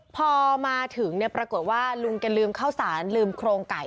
พอมาถึงปรากฏว่าลุงแกลืมข้าวสารลืมโครงไก่